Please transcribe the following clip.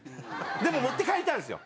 でも持って帰りたいんですよ。